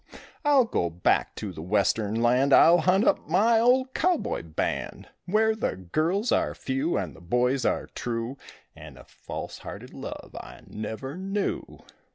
I'll go back to the Western land, I'll hunt up my old cowboy band, Where the girls are few and the boys are true And a false hearted love I never knew.